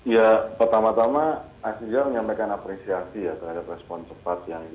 ya pertama tama saya ingin menyampaikan apresiasi terhadap responsifat yang ini